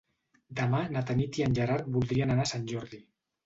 Demà na Tanit i en Gerard voldrien anar a Sant Jordi.